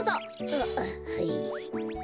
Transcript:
あっはい。